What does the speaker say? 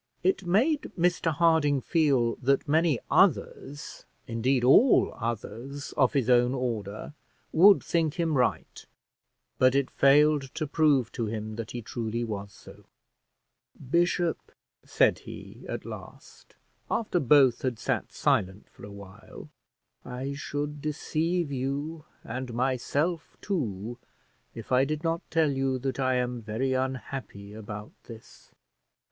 It made Mr Harding feel that many others, indeed, all others of his own order, would think him right; but it failed to prove to him that he truly was so. "Bishop," said he, at last, after both had sat silent for a while, "I should deceive you and myself too, if I did not tell you that I am very unhappy about this.